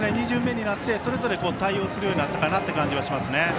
２巡目になってそれぞれ対応するようになったかなという感じがしますね。